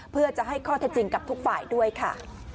เพื่อจะให้ข้อเท็จจริงกับทุกฝ่ายด้วยค่ะ